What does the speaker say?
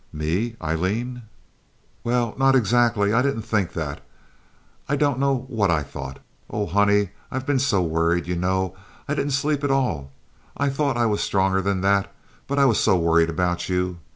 "Me, Aileen?" "Well, no, not exactly. I didn't think that. I don't know what I thought. Oh, honey, I've been so worried. You know, I didn't sleep at all. I thought I was stronger than that; but I was so worried about you.